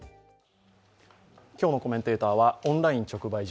今日のコメンテーターはオンライン直売所